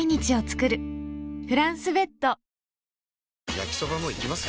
焼きソバもいきます？